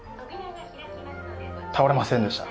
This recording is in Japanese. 倒れませんでした。